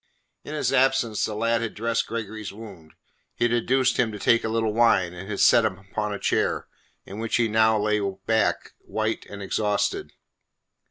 In his absence the lad had dressed Gregory's wound; he had induced him to take a little wine, and had set him upon a chair, in which he now lay back, white and exhausted.